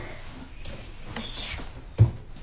よいしょ。